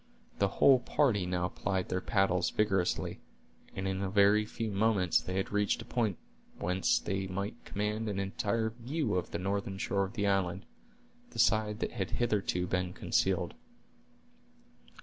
The whole party now plied their paddles vigorously, and in a very few moments they had reached a point whence they might command an entire view of the northern shore of the island, the side that had hitherto been concealed.